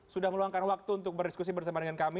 sudah meluangkan waktu untuk berdiskusi bersama dengan kami